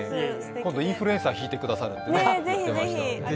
今度「インフルエンサー」弾いてくださるって。